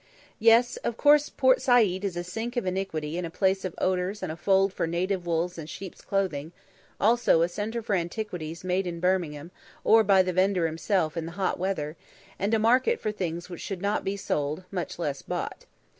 Yes! of course Port Said is a sink of iniquity and a place of odours and a fold for native wolves in sheep's clothing; also a centre for antiquities made in Birmingham, or by the vendor himself in the hot weather; and a market for things which should not be sold, much less bought.